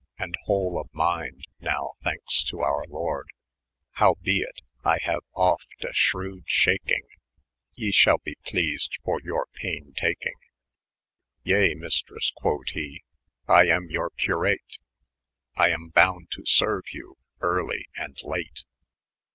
And hole of minde, now, thankes to our lord ; Howbeit, I haue oft a shrewd shaking : ye shalbe pleased for your payn takyng/' "ye, maystres," quod he, "I am your curate, I am bound to serue you erli and late."